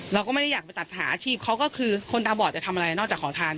เราก็ไม่ได้อยากไปตัดหาอาชีพเขาก็คือคนตาบอดจะทำอะไรนอกจากขอทาน